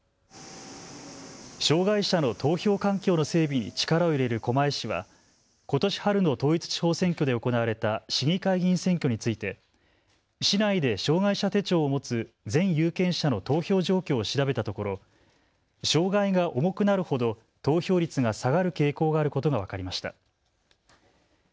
障害者の投票環境の整備に力を入れる狛江市はことし春の統一地方選挙で行われた市議会議員選挙について市内で障害者手帳を持つ全有権者の投票状況を調べたところ障害が重くなるほど投票率が下がる傾向があることが分かりました。